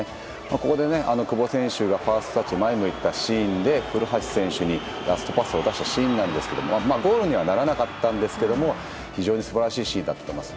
ここで久保選手がファーストタッチ、前を向いたシーンで、古橋選手にラストパスを出したシーンなんですけど、ゴールにはならなかったんですけども、非常にすばらしいシーンだったと思います。